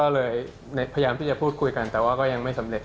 พยายามพี่จะพูดคุยกันก็ยังไม่สำเร็จ